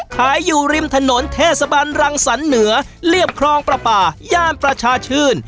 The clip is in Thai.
อยู่ริมถนนเทศบันรังสรรเหนือเรียบครองประปาย่านประชาชื่น